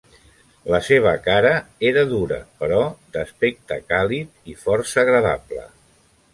La seva cara era dura, però d'aspecte càlid i força agradable.